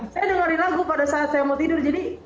saya dengerin lagu pada saat saya mau tidur jadi